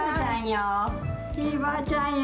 ひいばあちゃんよ。